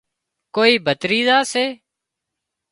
ڪوئي ڀتريزا سي